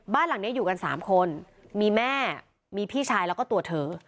บ้านหลังนี้อยู่กัน๓คนมีแม่มีพี่ชายแล้วก็ตัวเธอ